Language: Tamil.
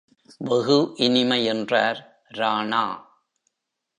வெகு இனிமை! என்றார் ராணா.